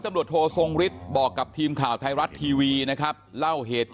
ตำรวจโททรงฤทธิ์บอกกับทีมข่าวไทยรัฐทีวีนะครับเล่าเหตุการณ์